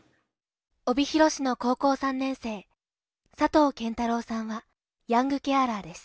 帯広市の高校３年生佐藤謙太郎さんはヤングケアラーです